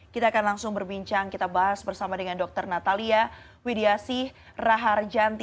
kita akan langsung berbincang kita bahas bersama dengan dr natalia widiasih raharjanti